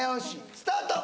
スタート